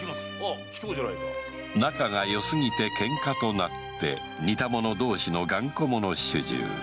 仲がよすぎて喧嘩となって似たもの同士の頑固者主従